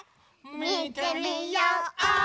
みてみよう！